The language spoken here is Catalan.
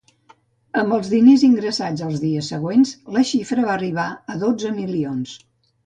Amb els diners ingressats els dies següents, la xifra va arribar a dotze milions.